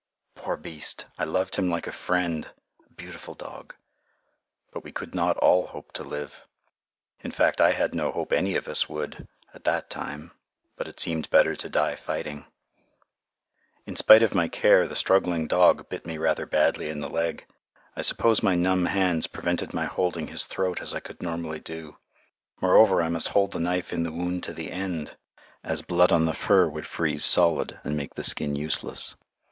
Poor beast! I loved him like a friend, a beautiful dog, but we could not all hope to live. In fact, I had no hope any of us would, at that time, but it seemed better to die fighting. In spite of my care the struggling dog bit me rather badly in the leg. I suppose my numb hands prevented my holding his throat as I could ordinarily do. Moreover, I must hold the knife in the wound to the end, as blood on the fur would freeze solid and make the skin useless.